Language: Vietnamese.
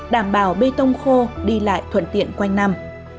đảm bảo bê tông khô đi lại thuận tiện quanh năm